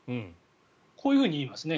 こういうふうに言いますね。